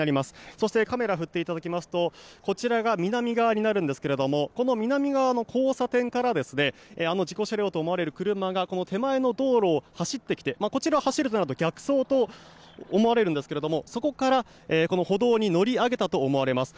そしてカメラを振っていただきますとこちらが南側になるんですけれどもこの南側の交差点から事故車両と思われる車が手前の道路を走ってきてこちらを走るとなると逆走と思われるんですけれどもそこから歩道に乗り上げたと思われます。